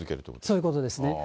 そういうことですね。